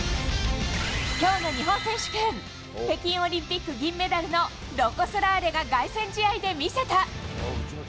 きょうの日本選手権、北京オリンピック銀メダルのロコ・ソラーレが凱旋試合で見せた。